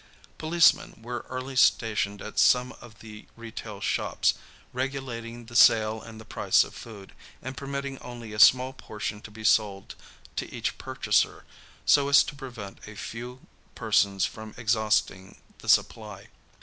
Policemen were early stationed at some of the retail shops, regulating the sale and the price of food, and permitting only a small portion to be sold to each purchaser, so as to prevent a few persons from exhausting the supply.